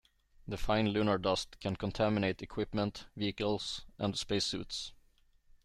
The fine lunar dust can contaminate equipment, vehicles, and space suits.